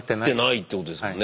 ってことですもんね。